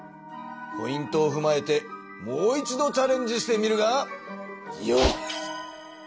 ポイントをふまえてもう一度チャレンジしてみるがよい！